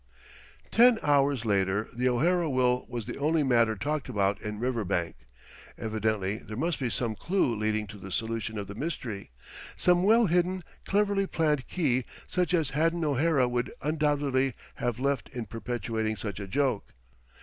Ten hours later the O'Hara will was the one matter talked about in Riverbank. Evidently there must be some clue leading to the solution of the mystery some well hidden, cleverly planned key such as Haddon O'Hara would undoubtedly have left in perpetrating such a joke.